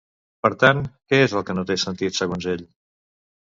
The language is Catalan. Per tant, què és el que no té sentit, segons ell?